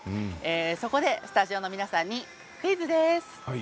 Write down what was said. そこでスタジオの皆さんにクイズです。